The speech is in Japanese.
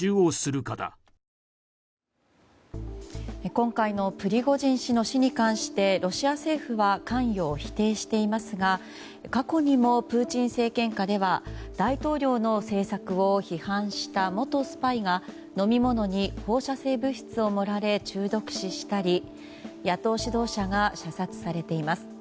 今回のプリゴジン氏の死に関してロシア政府は関与を否定していますが過去にもプーチン政権下では大統領の政策を批判した元スパイが飲み物に放射性物質を盛られ中毒死したり野党指導者が射殺されています。